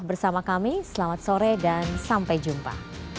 bersama kami selamat sore dan sampai jumpa